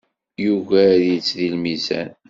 Yugar-itt deg lmizan.